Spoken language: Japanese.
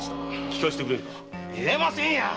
言えませんや！